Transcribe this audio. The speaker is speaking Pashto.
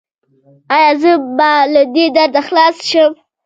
ایا زه به له دې درده خلاص شم؟